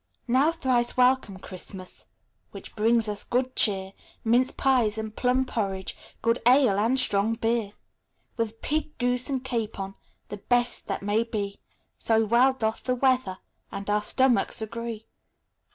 Now thrice welcome, Christmas, Which brings us good cheer, Minced pies and plum porridge, Good ale and strong beer; With pig, goose, and capon, The best that may be, So well doth the weather And our stomachs agree.